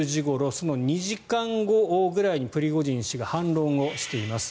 その２時間後ぐらいにプリゴジン氏が反論をしています。